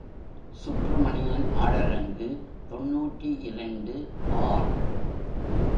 சுப்ரமணியன் ஆடரங்கு தொன்னூற்றிரண்டு ஆர்.